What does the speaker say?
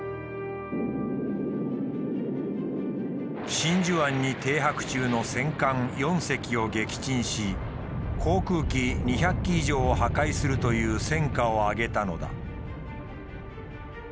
真珠湾に停泊中の戦艦４隻を撃沈し航空機２００機以上を破壊するという戦果を挙げたのだ。